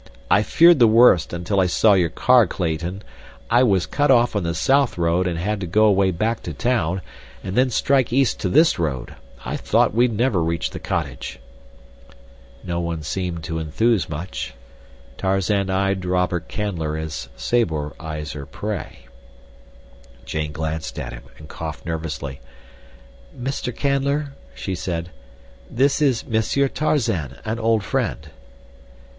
"I feared the worst, until I saw your car, Clayton. I was cut off on the south road and had to go away back to town, and then strike east to this road. I thought we'd never reach the cottage." No one seemed to enthuse much. Tarzan eyed Robert Canler as Sabor eyes her prey. Jane glanced at him and coughed nervously. "Mr. Canler," she said, "this is Monsieur Tarzan, an old friend."